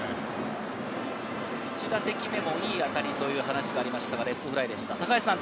１打席目もいい当たりという話がありましたが、レフトフライでした。